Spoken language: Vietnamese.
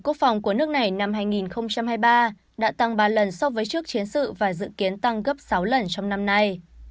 quốc phòng của nước này năm hai nghìn hai mươi ba đã tăng ba lần so với trước chiến sự và dự kiến tăng gấp sáu lần trong năm nay